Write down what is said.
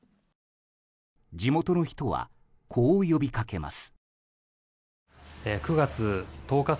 地元の人は、こう呼びかけます。